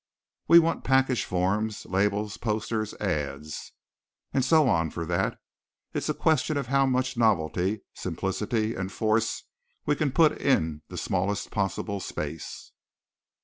We want package forms, labels, posters ads, and so on for that. It's a question of how much novelty, simplicity and force we can put in the smallest possible space.